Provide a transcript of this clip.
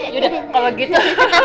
yaudah kalau gitu